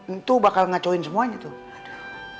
itu bakal ngacoin semuanya tuh